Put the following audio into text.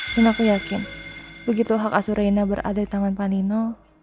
dan aku yakin begitu hak asur reina berada di tangan pak nino